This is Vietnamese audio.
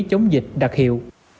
chống dịch đặc hiệu